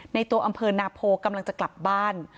ตัวอำเภอนาโพกำลังจะกลับบ้าน